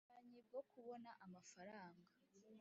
bwa banki bwo kubona amafaranga